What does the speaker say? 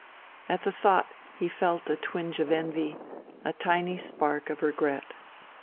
At the thought he felt a twinge of envy, a tiny spark of regret.